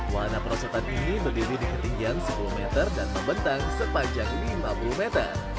warna perosotan ini berdiri di ketinggian sepuluh meter dan membentang sepanjang lima puluh meter